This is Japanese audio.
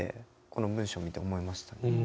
この文章見て思いました。